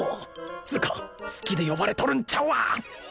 つーか好きで呼ばれとるんちゃうわ！